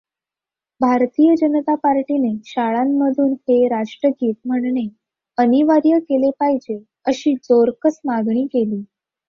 भारतीय जनता पार्टीने शाळांमधून हे राष्ट्रगीत म्हणणे अनिवार्य केले पाहिजे, अशी जोरकस मागणी केली.